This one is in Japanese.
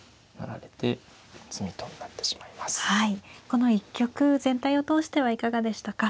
この一局全体を通してはいかがでしたか。